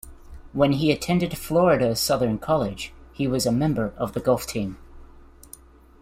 When he attended Florida Southern College, he was a member of the golf team.